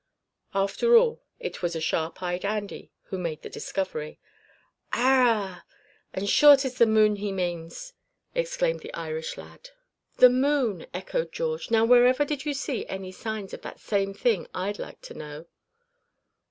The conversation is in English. After all it was sharp eyed Andy who made the discovery. "Arrah! and sure 'tis the moon he manes!" exclaimed the Irish lad. "The moon," echoed George, "now wherever do you see any signs of that same thing, I'd like to know?"